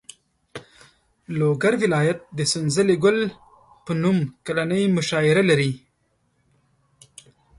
لوګر ولایت د سنځلې ګل په نوم کلنۍ مشاعره لري.